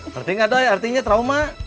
ngerti nggak doi artinya trauma